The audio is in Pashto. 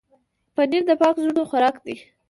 پنېر د پاک زړونو خوراک دی.